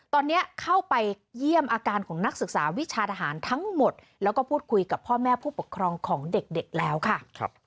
ตอนนี้เข้าไปเยี่ยมอาการของนักศึกษาวิชาทหารทั้งหมดแล้วก็พูดคุยกับพ่อแม่ผู้ปกครองของเด็กแล้วค่ะ